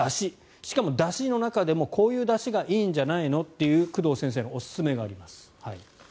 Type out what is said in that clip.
しかも、だしの中でもこういうだしがいいんじゃないのという工藤先生のおすすめがあります。